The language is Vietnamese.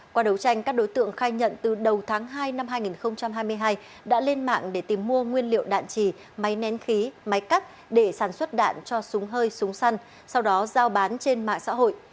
qua đấu tranh các đối tượng khai nhận từ đầu tháng hai năm hai nghìn hai mươi hai đã lên mạng để tìm mua nguyên liệu đạn trì máy nén khí máy cắt để sản xuất đạn cho súng hơi súng săn sau đó giao bán trên mạng xã hội